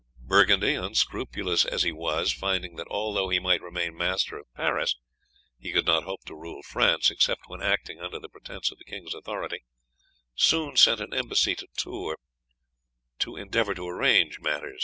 Burgundy, unscrupulous as he was, finding that although he might remain master of Paris, he could not hope to rule France, except when acting under the pretence of the king's authority, soon sent an embassy to Tours to endeavour to arrange matters.